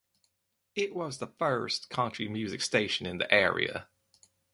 It was the first country music station in the area.